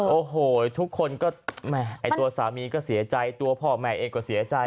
โอ้โหทุกคนก็แม่ไอ้ตัวสามีก็เสียใจตัวพ่อแม่เองก็เสียใจ